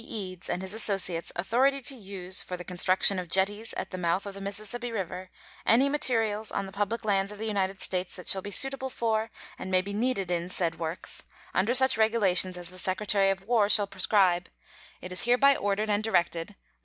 Eads and his associates authority to use, for the construction of jetties at the mouth of the Mississippi River, any materials on the public lands of the United States that shall be suitable for and may be needed in said works, under such regulations as the Secretary of War shall prescribe, it is hereby ordered and directed 1.